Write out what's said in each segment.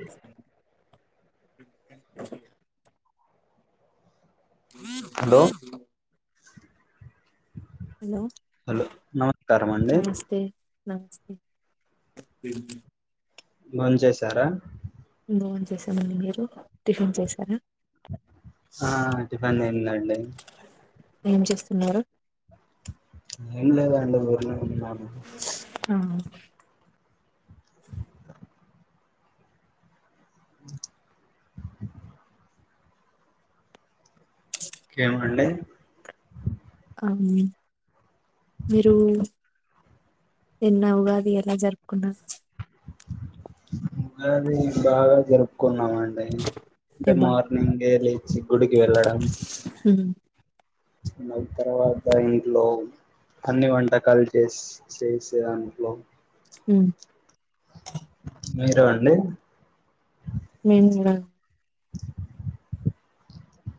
అ hello hello hello నమస్తే నమస్కారం అండి నమస్తే నమస్తే మని చేసారా మోన్ చేసామడి మీరు టిఫిన్ చేశారా ఆ టిఫ అన్న్డి ఏం చేస్తున్నారు ఎళదా అండి ఊరులోనే ఊన్నారు ఆ కేమండే అవును మీరు ఎన్న ఉగాది ఎలా జరుపుకున్నారు ఉగాది బాగా జరుపుకోన్నా న్నామండి అంటే మార్నింగేలీ చిమ్ గుడికి వెళ్ళడం ఉమ్ నా తర్వాత ఇంట్లో అన్ని వంటకాలు చేసి చేసే దాంట్లో ఊ మీరు అండి.? ! మేము కూడా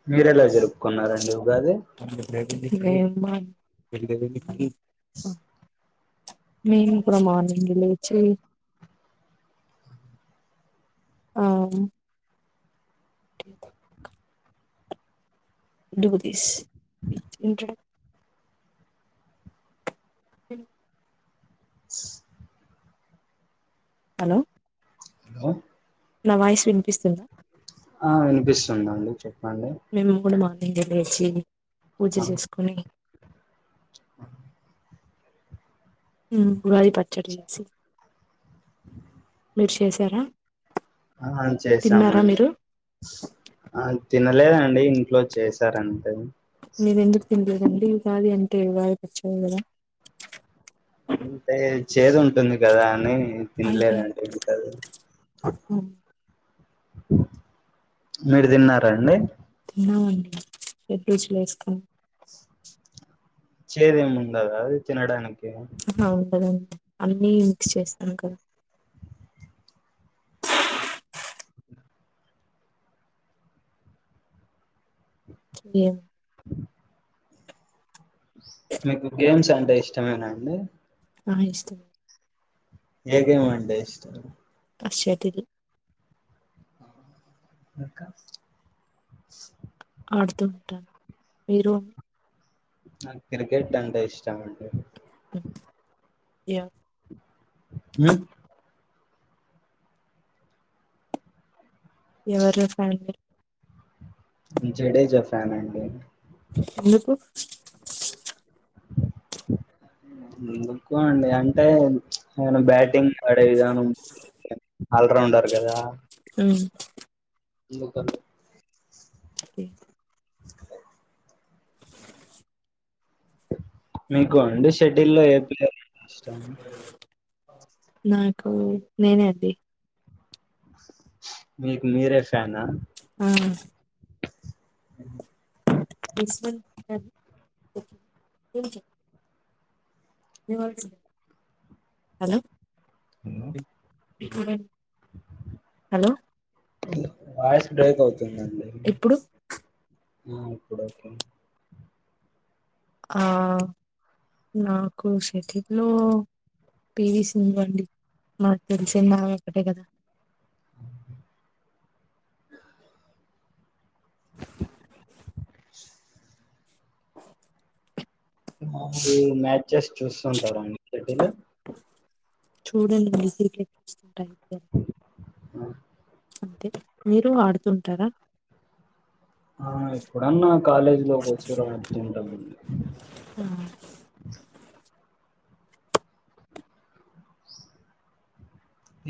మీరెలా జరుపు కున్నారండి ఉగాది మేమ్ మాక్ ఆ మేము కూడా మార్నింగ్ లేచి. ఆమ్ డూ థిస్ ఇంట్రోడ్ ఇల్ హలో హలో నా వాయిస్ విని ఆ వినిపిస్తుందండి చెప్పండి ఇంక లేచి పూజ చేసుకోనీ హా హ్మ్ ఉగాది పచ్చడి చేసి మీరు చేశారా ఆ చేసామండి ఆ తినలేదండి ఇంట్లో చేశారంతే మీరెందుకు తిన్లేదండి ఉగాది అంటే ఉగాది పచ్చడి గదా అంటే.. చేదు ఉంటుంది కదా అని నేను తినలేదండి అయ్యయ్యో ఇంకా అది మీరు తిన్నారా అండి? అ అండి చెడురుసులేసుకోని చేదేముండదా అది తినడానికి ఆహా ఉంటదడి అన్నీ మక్స్ చేస్తాము కదా ఏం మీకు గేమ్స్ అం అంటే ఇష్టమైన అండి ఆ ఇష్టం ఏ గేమ్ అంటే ఇష్టం ఆ షటిల్ ఇంకా షే ఆడుతూ ఉంటా మీరు నా క్రికెట్ అంటే ఇష్టం అండి హు యో ఊ ఎవరో ఫ్యాన్ పె జడేజా ఫ్యాన్ అండి ఎందుకు ఎందుకో అండి అంటే అయినా బ్యాటింగ్ ఆడే విధానం ఆల్ రౌండర్ కదా ఉమ్ ఎందుకలో టి మీ మీకు అంది షటిల్ లో ఏ ప్లేయర్ అంటే ఇష్టం నాకు నేనే అండి మీకు మీరే ఫ్యాన్ ఆ ఆ కిస్మత్ [inaudible] ఏంటి హాలో ఏమో [inaudible] హాలో వాయిస్ బ్రేక్ అవుతుంది అర్థం కావట్లేవు ఇప్పుడు ఆ ఇప్పుడు ఓకే ఆ నాకు షేట్టిలో పీవీ సింధు అండి మనాకు తెలిసిందా ఆమె ఒకటే కదా మామూలు ఈ మ్యాచ్ జస్ట్ చూస్తూ ఉంటారా [unintelligible] చూడండి బయటే [inaudible] గా ఆ అంతే మీరు ఆడుతూ ఉంటారా ఆ ఎప్పుడన్న కాలేజీలో కల్చరల్ ఆడుతుంటానండి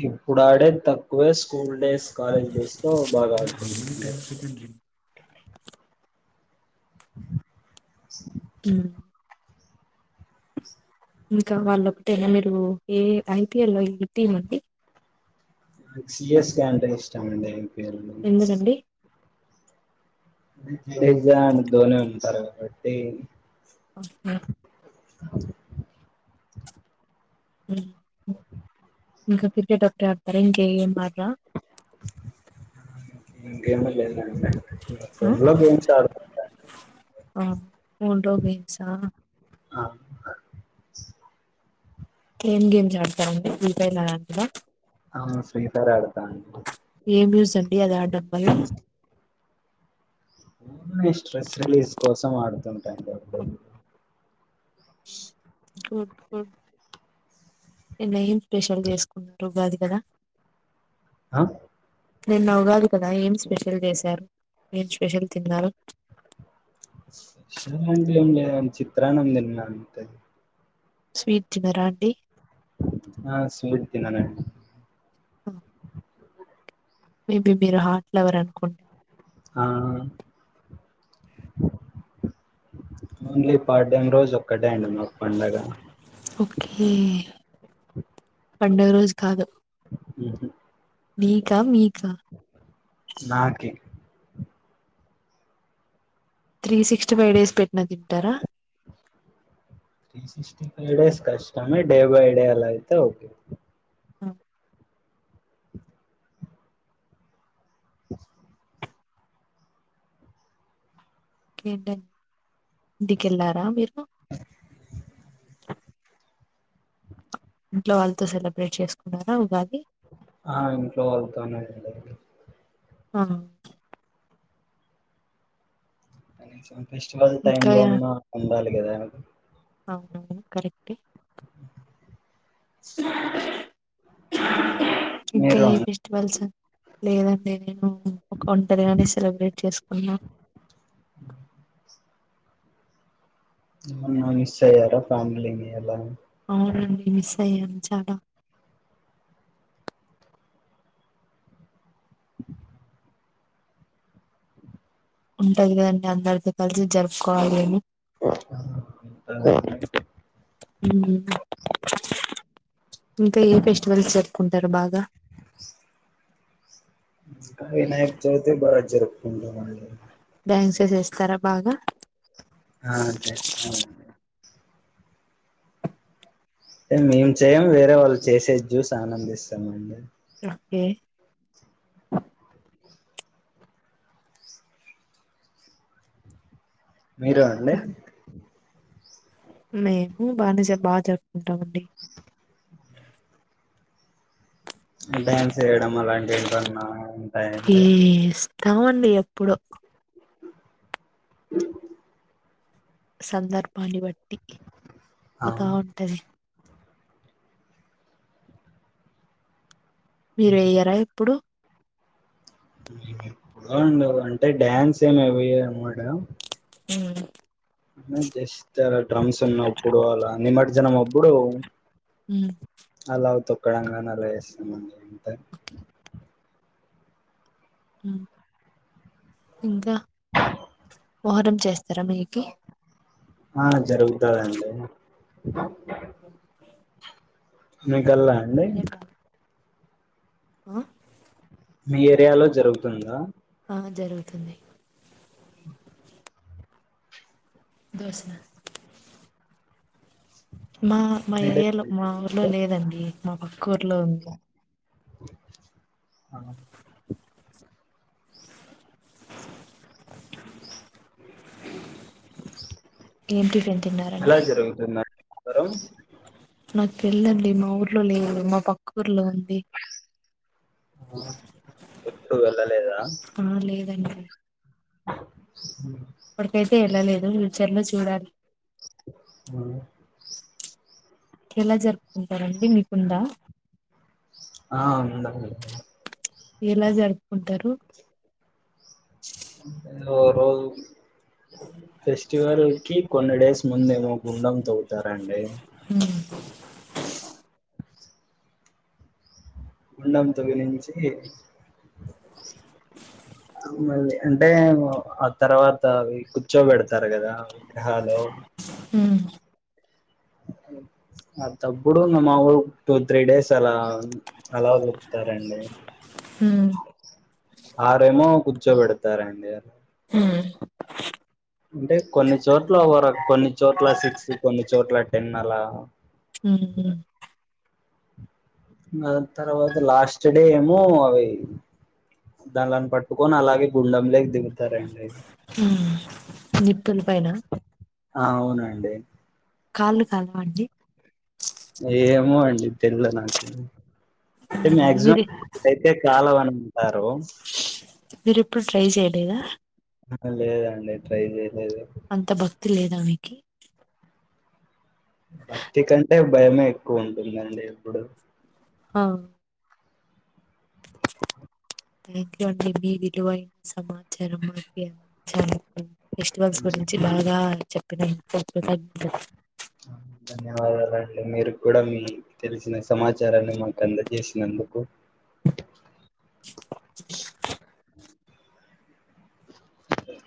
ఇప్పుడు ఆడేది తక్కువే స్ స్కూల్ డేస్, కాలేజ్ డేస్ లో బాగా ఆడుతుండు మ్మ్ ఇంకా వాళ్ళొకటేనా మీరు ఏ ఐ పీ ఎల్ ఏ టీం అండి నాకు సి ఎస్ కె అంటే ఇష్టమండి [inaudible] ఎందుకండి ఏం జాబు [unintelligible] కాబట్టి మ్మ్ మ్మ్ ఇంకా క్రికెట్ ఒకటే ఆ [unintelligible] ఇంకేం ఆట గేమే లేదులే ఆ ఫోన్లో గేమ్స్ ఆడుతు లో గేమ్సా ఆ ఏం గేమ్ జారుత ఉంటే నీకెంకాలే మ్మ్ అవును ఫ్రీ ఫైర్ అడుతా అండి ఏం యూస్ అండి అది ఆడ్డం వల్ల స్ట్రెస్ రిలీజ్ కోసం ఆడతాను ఓ గుడ్ గుడ్ నిన్న ఏం స్పెషల్ చేసుకున్నట్లు ఉగాది కదా ఆ నిన్న ఉగాది కదా ఏం స్పెషల్ చేశారు ఏం స్పెషల్ తిన్నారు [unintelligible] చిత్రాన్నం తిన్న అంతే స్వీట్ తినరా అండి ఆ స్వీట్ తిననండి మ్మ్ మేబీ మీరు హాట్ లవర్ అనుకుంటా ఆ ఓన్లీ [unintelligible] రోజు ఒక్క ఓకే పండగ రోజు కాదు మ్ హూ మీకా మీ క్క నాకే త్రీ సిక్స్టీ ఫైవ్ డేస్ పెట్టిన తింటారా త్రీ సిక్స్టీ ఫైవ్ డేస్ కష్టమే డే బై డే అలా అయితే ఓకే ఆ [inaudible] కే డన్ ఇంటికెళ్ళారా మీరు ఇంట్లో వాళ్ళతో సెలబ్రేట్ చేసుకున్నారా ఉగాది ఆ ఇంట్లో వాళ్తోనే ఆ [unintelligible] ఫెస్టివల్ టైం ఇంకా లో అన ఉండాలి గదెవరు అవునవును కరెక్టే [inaudible] [inaudible] ఇంకా మీరు ఏ ఫెస్టివల్స్ లేదండి నేను ఒక ఒంటరిగానే సెలబ్రేట్ చేసుకున్నా ఏమనా మిస్ అయ్యార ఫ్యామిలీని అలా అవునండి మిస్ అయ్యాను చాలా ఉంటది కదండి అందరితో కలిసి జరుపుకోవాలి అని ఇంత నైటు ఉమ్, [inaudible] ఇంకా ఏ ఫెస్టివల్స్ జరుపు కుంటారు బాగా అ ఇంకా వినాయకచవతి బాగ జరుపు కుంటా మండి డాన్స్ చేస్తారా బాగా ఆ చేస్తానండీ మేము చేయం వేరే వాళ్ళు చేసేది చ్యూసి ఆనందిస్తామ అండి ఓకే మీరు అండి ఇంకా మేము బానేజా బాగా జరుపుకుంటామండి డ్యాన్స్ సేయడం అలాంటి ఏంటివన్నా ఉంటాయ అండి కావండి ఎప్పుడో [inaudible] సందర్భాన్ని బట్ ఆ పోతా ఉంటది మీరు వెయ్యరా ఎప్పుడు మేము ఎప్పుడో అండి అంటే డ్యాన్స్ ఏమి వయ్యము ఆడ ఉ మేం జస్ట్ ఆడ డ్రమ్స్ ఉన్నప్పుడు అలా నిమజ్జనం అబ్బు అప్పుడు ఉమ్ అలావుతో తొక్కడంగాని అలా చేస్తాం అండి అంతే ఇంకా మోహరం చేస్తారా మీకి ఆ జరుగుతాది అండి మీ కల్ల అం అండి ఆ మీ ఏరియాలో జరుగుతుందా ఆ జరుగుతుంది దసరా మా మా ఏరియాలో మా ఊర్లో లేదండి మాకు కూర్లో ఉంది హ ఏమ్ టిఫెన్ తిన్నారండి కరం నాకు తెల్దు అండి మా ఊర్లో లేదు మా పక్క ఊర్లో ఉంది ఎప్పుడు వెళ్ళలేదా ఆ లేదండి ఇప్పటికైతే వెళ్ళలేదు వ్యుచర్ లో చూడాలి ఆ ఎలా జరుపుకుంటారండి మీకుందా ఆ వుందండి ఎలా జరుపుకుంటారు రోజు ఫెస్టివల్ కి కొన్ని డేస్ ముందేమో గుండం తొవుతారంండి అ గుండం తవి నుంచి మళ్ళీ అంటే ఆ తర్వాత అవి కూర్చోబెడతార్ కదా విగ్రహాలు మ్ అ తప్పుడున్న మా ఊ టూ త్రీ డేస్ అలా అలా కుతారండి హా ఆరేమో కూర్చోబెడతారండి ఉమ్ అంటే కొన్ని చోట్ల ఒర కొన్ని చోట్ల సిక్స్ కొన్ని చోట్ల టెన్ అలా ఉమ్ తర్వాత లాస్ట్ డే ఏమో అవి దానిలను పట్టుకొని అలాగే గుండెం లకి దిగుతారండి నిప్పుల్ పైన ఆ అవునండి కాళ్ళు కాలవండి ఏమో అండి తేల్వద్ నాకు మాక్సిమం మీరు యితే కాలవు అని ఉంటారు మీరుప్పుడు ట్రై చేయలేదా లేదండి ట్రై చే అంత భక్త్ తె లేదా మీకి భక్తి కంటే భయమే ఎక్కువ ఉంటుందండి ఇప్పుడు ఆ థ్యాంక్ యూ అండి మీ విలువైన సమాచారం చాలా ఫెస్టివల్స్ గురించి బాగా చెప్పిన ధన్యవాదాలండి మీరు కూడా మీ తెలిసిన సమాచారాన్ని మాక్ అందజేసినందుకు